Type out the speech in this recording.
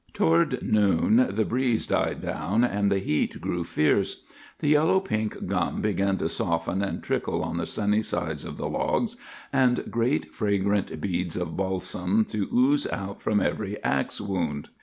"Toward noon the breeze died down, and the heat grew fierce. The yellow pink gum began to soften and trickle on the sunny sides of the logs, and great fragrant beads of balsam to ooze out from every axe wound.